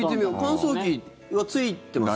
乾燥機はついてます？